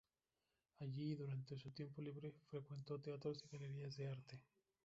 Allí y durante su tiempo libre, frecuentó teatros y galerías de arte.